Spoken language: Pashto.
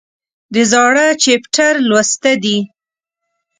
د زاړه چپټر لوسته دي